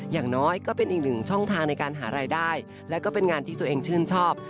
อย่างน้อยก็เป็นอีกหนึ่งช่องทางในการหารายได้และก็เป็นงานที่ตัวเองชื่นชอบ